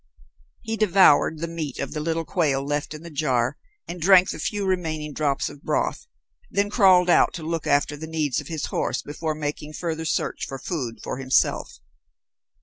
He devoured the meat of the little quail left in the jar and drank the few remaining drops of broth, then crawled out to look after the needs of his horse before making further search for food for himself.